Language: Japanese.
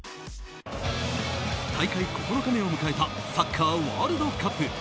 大会９日目を迎えたサッカーワールドカップ。